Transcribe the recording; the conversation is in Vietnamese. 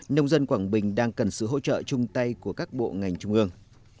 nông dân quảng bình đang cần sự hỗ trợ chung tay của các bộ ngành trung ương